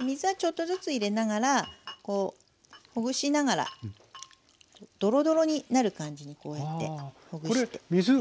水はちょっとずつ入れながらほぐしながらどろどろになる感じにこうやってほぐしていきます。